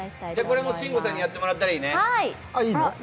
これも慎吾さんにやってもらったらいいね。